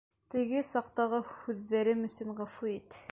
Теге саҡтағы һүҙҙәрем өсөн ғәфү ит!